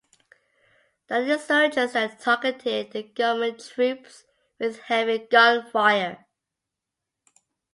The insurgents then targeted the government troops with heavy gunfire.